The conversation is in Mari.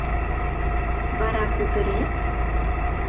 Вара, кутырет?